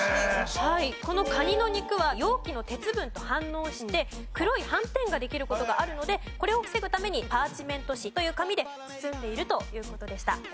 このカニの肉は容器の鉄分と反応して黒い斑点ができる事があるのでこれを防ぐためにパーチメント紙という紙で包んでいるという事でした。